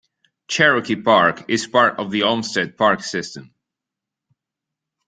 Cherokee Park is part of the Olmsted Park system.